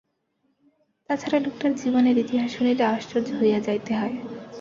তা ছাড়া, লোকটার জীবনের ইতিহাস শুনিলে আশ্চর্য হইয়া যাইতে হয়।